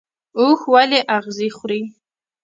اوښ ولې اغزي خوري؟